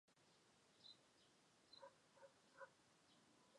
控股股东是中国青旅集团公司。